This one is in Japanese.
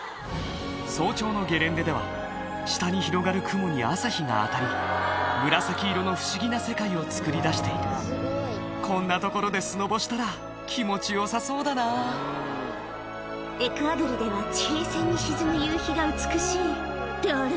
早朝のゲレンデでは下に広がる雲に朝日が当たり紫色の不思議な世界をつくり出しているこんな所でスノボしたら気持ちよさそうだなエクアドルでは地平線に沈む夕日が美しいってあれ？